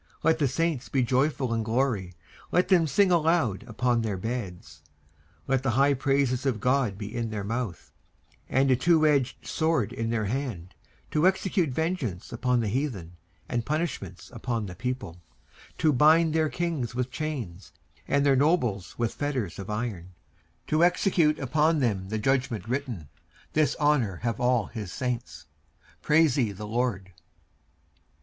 19:149:005 Let the saints be joyful in glory: let them sing aloud upon their beds. 19:149:006 Let the high praises of God be in their mouth, and a two edged sword in their hand; 19:149:007 To execute vengeance upon the heathen, and punishments upon the people; 19:149:008 To bind their kings with chains, and their nobles with fetters of iron; 19:149:009 To execute upon them the judgment written: this honour have all his saints. Praise ye the LORD.